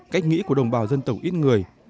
cách nghĩ của đồng bào dân tộc ít người